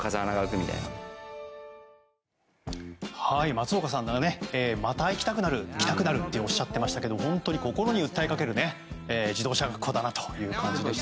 松岡さんがまた行きたくなるっておっしゃっていましたが本当に心に訴えかける自動車学校だなという感じでした。